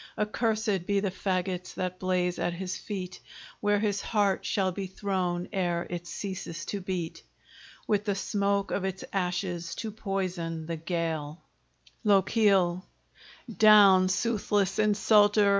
Accursed be the fagots that blaze at his feet, Where his heart shall be thrown ere it ceases to beat, With the smoke of its ashes to poison the gale LOCHIEL Down, soothless insulter!